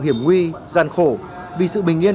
hiểm huy gian khổ vì sự bình yên